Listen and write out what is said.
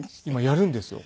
やるんですよ。